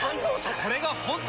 これが本当の。